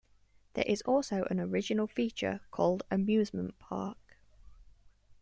There is also an original feature called "Amusement Park".